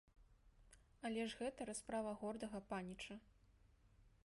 Але ж гэта расправа гордага паніча.